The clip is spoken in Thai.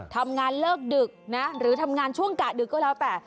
ทำงานเลิกดึกนะหรือทำงานช่วงกะดึกก็แล้วแต่